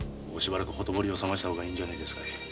しばらくほとぼりを冷ました方がいいんじゃねえですかい？